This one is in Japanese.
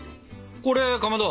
これかまど